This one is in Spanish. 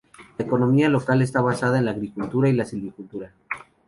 La economía local está basada en la agricultura y la silvicultura.